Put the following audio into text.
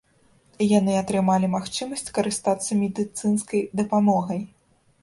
Яны атрымалі магчымасць карыстацца медыцынскай дапамогай.